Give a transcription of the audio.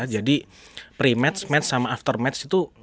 jadi pre match match sama after match itu